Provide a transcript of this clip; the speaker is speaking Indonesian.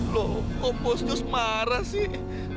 loh kok bos just marah sih